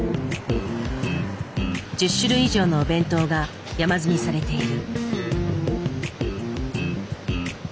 １０種類以上のお弁当が山積みされている。